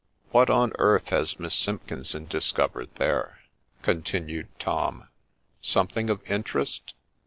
* What on earth has Miss Simpkinson discovered there ?' continued Tom ;' something of interest.